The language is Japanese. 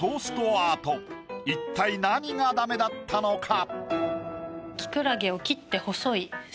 アート一体何がダメだったのか？